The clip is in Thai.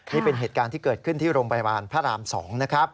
นี่เป็นเหตุการณ์ที่เกิดขึ้นที่โรงพยาบาลพระราม๒นะครับ